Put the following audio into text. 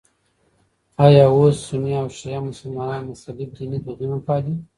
ایا سني او شیعه مسلمانان مختلف ديني دودونه پالي؟